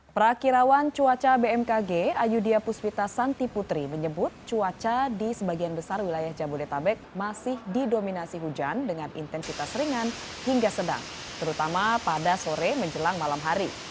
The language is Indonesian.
perakirawan cuaca bmkg ayudya puspita santi putri menyebut cuaca di sebagian besar wilayah jabodetabek masih didominasi hujan dengan intensitas ringan hingga sedang terutama pada sore menjelang malam hari